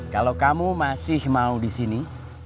kalau kamu masih mau di sini